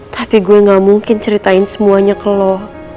tapi gue gak mungkin ceritain semuanya ke lo